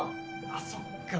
あそっか。